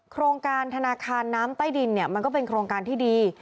โครงการธนาคารน้ำใต้ดินเนี่ยมันก็เป็นโครงการที่ดี